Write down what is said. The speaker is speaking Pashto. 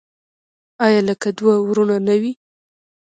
آیا لکه دوه ورونه نه وي؟